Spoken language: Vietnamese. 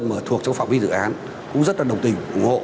mà thuộc trong phạm vi dự án cũng rất là đồng tình ủng hộ